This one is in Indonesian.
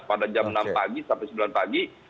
pada jam enam pagi sampai sembilan pagi